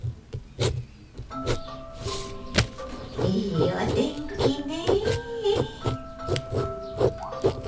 いいお天気ね。